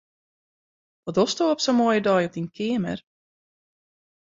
Wat dochsto op sa'n moaie dei op dyn keamer?